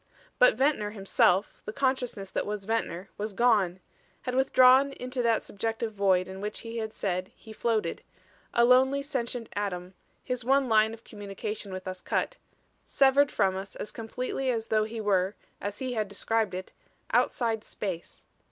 But Ventnor himself, the consciousness that was Ventnor was gone; had withdrawn into that subjective void in which he had said he floated a lonely sentient atom, his one line of communication with us cut; severed from us as completely as though he were, as he had described it, outside space.